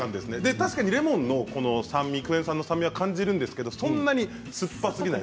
確かにレモンの酸味クエン酸の酸味は感じるんですけれどそれほど酸っぱすぎない。